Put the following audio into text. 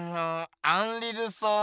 アンリ・ルソー